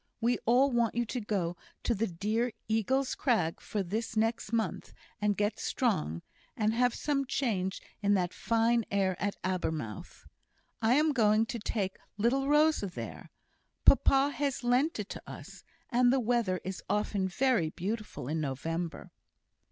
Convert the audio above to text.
We all want you to go to the dear Eagle's Crag for this next month, and get strong, and have some change in that fine air at Abermouth. I am going to take little Rosa there. Papa has lent it to us. And the weather is often very beautiful in November."